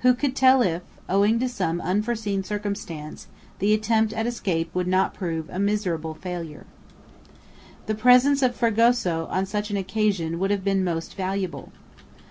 Who could tell if, owing to some unforeseen circumstance, the attempt at escape would not prove a miserable failure? The presence of Fragoso on such an occasion would have been most valuable.